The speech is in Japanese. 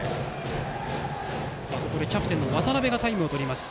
ここでキャプテン、渡邊がタイムをとります。